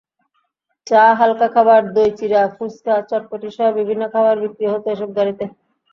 চা, হালকা খাবার, দই-চিড়া, ফুচকা, চটপটিসহ বিভিন্ন খাবার বিক্রি হতো এসব গাড়িতে।